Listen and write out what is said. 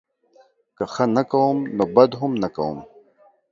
که ښه نه کوم نوبدهم نه کوم